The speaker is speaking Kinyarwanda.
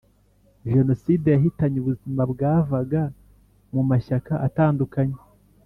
Genoside Yahitanye ubuzima bwavaga mu mashyaka atandukanye,